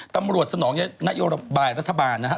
ตำรวจสนองนโยบายรัฐบาลนะฮะ